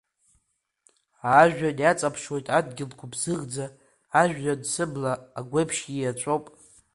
Ажәҩан иаҵаԥшуеит адгьыл гәыбзыӷӡа, ажәҩан сыбла агәеиԥш ииаҵәоуп.